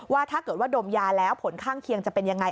ถ้าเกิดว่าดมยาแล้วผลข้างเคียงจะเป็นยังไง